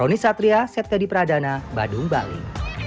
roni satria saya teddy pradana badung bali